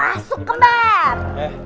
masuk ke bar